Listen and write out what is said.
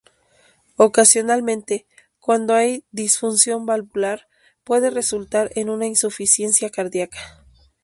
Ocasionalmente, cuando hay disfunción valvular, puede resultar en una insuficiencia cardíaca.